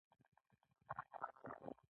خدای ته یې پرېږدم.